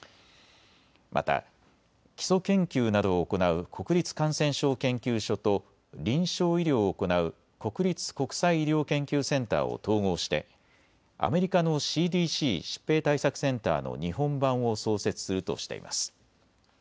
また基礎研究などを行う国立感染症研究所と臨床医療を行う国立国際医療研究センターを統合してアメリカのＣＤＣ・疾病対策センターの日本版を創設するとしています。